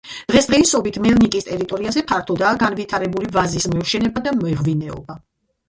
დღესდღეობით მელნიკის ტერიტორიაზე ფართოდაა განვითარებული ვაზის მოშენება და მეღვინეობა.